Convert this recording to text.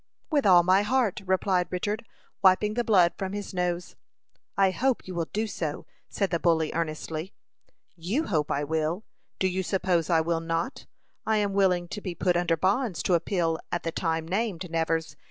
"With all my heart," replied Richard, wiping the blood from his nose. "I hope you will do so," said the bully, earnestly. "You hope I will! Do you suppose I will not? I am willing to be put under bonds to appeal at the time named, Nevers.